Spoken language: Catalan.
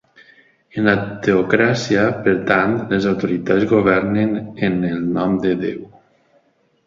En la teocràcia, per tant, les autoritats governen en el nom de Déu.